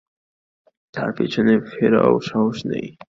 তার পেছনে ফেরারও সাহস নেই।